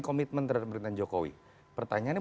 komitmen terhadap pemerintahan jokowi pertanyaannya